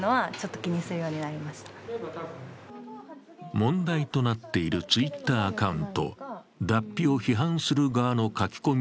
問題となっているＴｗｉｔｔｅｒアカウント、Ｄａｐｐｉを批判する側の書き込み